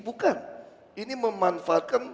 bukan ini memanfaatkan